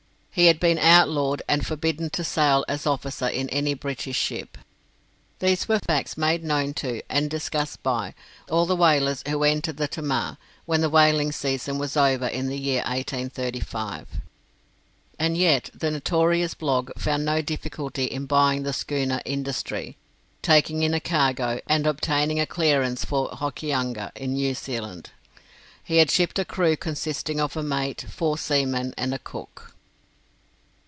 He had been out lawed, and forbidden to sail as officer in any British ship. These were facts made known to, and discussed by, all the whalers who entered the Tamar, when the whaling season was over in the year 1835. And yet the notorious Blogg found no difficulty in buying the schooner 'Industry', taking in a cargo, and obtaining a clearance for Hokianga, in New Zealand. He had shipped a crew consisting of a mate, four seamen, and a cook.